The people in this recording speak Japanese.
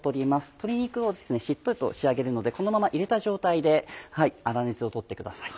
鶏肉をしっとりと仕上げるのでこのまま入れた状態で粗熱を取ってください。